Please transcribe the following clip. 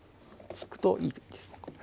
引くといいです